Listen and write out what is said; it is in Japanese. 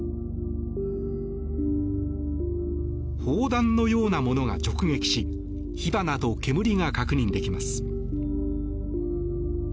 砲弾のようなものが直撃し火花と煙が確認できます。